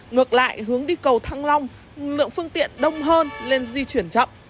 ngược lại hướng đi cầu thăng long lượng phương tiện đông hơn lên di chuyển chậm